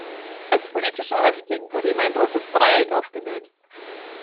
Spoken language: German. Als politischer Häftling wurde ihm ein rotes Dreieck aufgenäht.